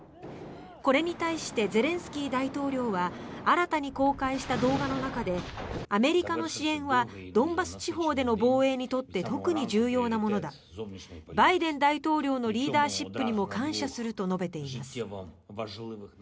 これに対してゼレンスキー大統領は新たに公開した動画の中でアメリカの支援はドンバス地方での防衛にとって特に重要なものだバイデン大統領のリーダーシップにも感謝すると述べています。